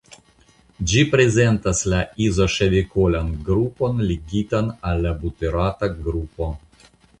Ĝi prezentas la izoŝavikolan grupon ligitan al la buterata grupo.